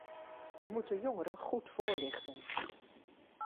We moeten jongeren goed voorlichten.